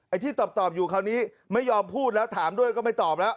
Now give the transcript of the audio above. ที่ตอบอยู่คราวนี้ไม่ยอมพูดแล้วถามด้วยก็ไม่ตอบแล้ว